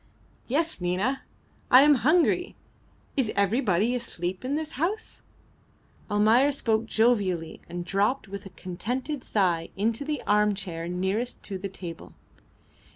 "Yes, Nina. I am hungry. Is everybody asleep in this house?" Almayer spoke jovially and dropped with a contented sigh into the armchair nearest to the table.